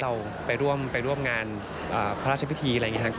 เราไปร่วมงานพระราชพิธีอะไรอย่างนี้ครับ